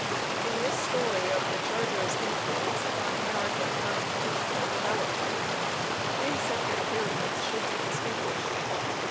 In this story of the Charter's influence upon Ameri can constitutional development three separate periods should be*distinguished.